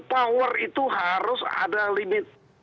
power itu harus ada limit